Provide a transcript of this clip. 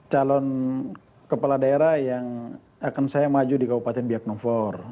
calon kepala daerah yang akan saya maju di kabupaten biaknover